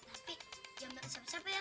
tapi jangan bilang siapa siapa ya